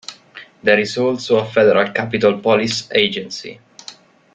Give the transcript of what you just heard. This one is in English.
There is also a federal capitol police agency.